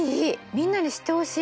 みんなに知ってほしい。